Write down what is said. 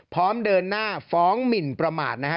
พร้อมเดินหน้าฟ้องหมินประมาทนะฮะ